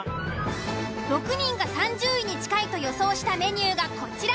６人が３０位に近いと予想したメニューがこちら。